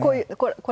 これ。